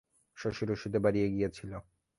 শশীর ওষুধে বাড়িয়া গিয়াছিল।